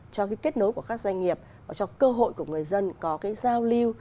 cho kết nối của các doanh nghiệp cho cơ hội của người dân có giao lưu